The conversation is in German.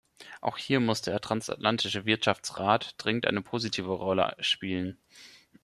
Auch hier muss der transatlantische Wirtschaftsrat dringend eine positive Rolle spielen.